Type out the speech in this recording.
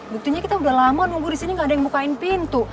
buktinya kita udah lama nunggu disini gak ada yang mukain pintu